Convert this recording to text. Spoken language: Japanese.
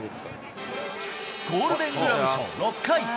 ゴールデングラブ賞６回。